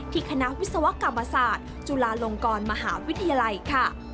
คณะวิศวกรรมศาสตร์จุฬาลงกรมหาวิทยาลัยค่ะ